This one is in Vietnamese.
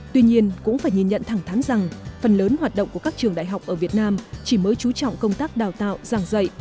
tuy nhiên cũng phải nhìn nhận thẳng thắn rằng phần lớn hoạt động của các trường đại học ở việt nam chỉ mới trú trọng công tác đào tạo giảng dạy